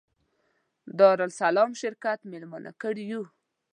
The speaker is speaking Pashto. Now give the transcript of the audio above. دارالسلام شرکت مېلمانه کړي یو.